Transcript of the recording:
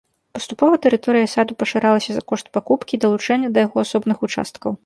Паступова тэрыторыя саду пашыралася за кошт пакупкі і далучэння да яго асобных участкаў.